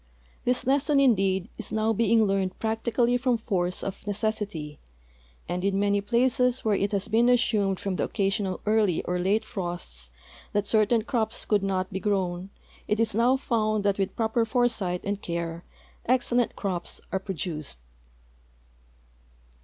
This lesson, indeed, is now being learned practically from force of necessity, and in many places where it has been assumed from the occasional early or late frosts that certain crops could not be grown it is now found that with j)roper foresight and care ex cellent crops are ])roduced.